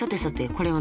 これは。